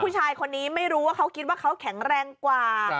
ผู้ชายคนนี้ไม่รู้ว่าเขาคิดว่าเขาแข็งแรงกว่า